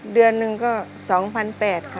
เดือนหนึ่งก็๒๘๐๐บาทค่ะ